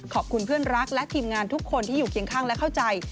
ขอบคุณเพื่อนรักและทีมงานทุกคนที่อยู่เคียงข้างและเข้าใจ